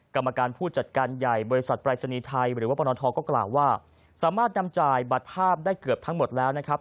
กรรมการผู้จัดการใหญ่บริษัทปรายศนีย์ไทยหรือว่าปนทก็กล่าวว่าสามารถนำจ่ายบัตรภาพได้เกือบทั้งหมดแล้วนะครับ